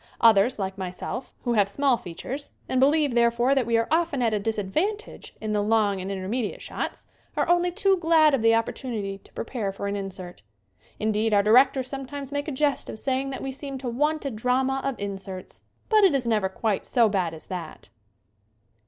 Others, like myself, who have small features, and be lieve, therefore, that we are often at a disad vantage in the long and intermediate shots, are only too glad of the opportunity to prepare for an insert. Indeed, our directors sometimes make a jest of saying that we seem to want a drama of inserts. But it is never quite so bad as that.